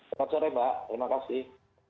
selamat sore mbak terima kasih